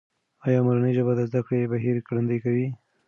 ایا مورنۍ ژبه د زده کړې بهیر ګړندی کوي؟